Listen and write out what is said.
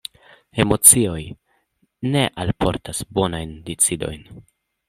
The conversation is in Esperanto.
Emocioj ne alportas bonajn decidojn.